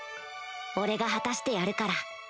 俺が果たしてやるから。